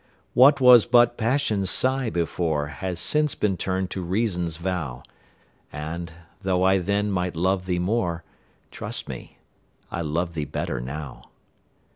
What was but Passion's sigh before, Has since been turned to Reason's vow; And, though I then might love thee more, Trust me, I love thee better now.